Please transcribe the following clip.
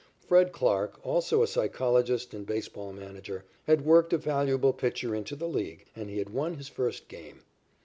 Fred Clarke, also a psychologist and baseball manager, had worked a valuable pitcher into the League, and he had won his first game.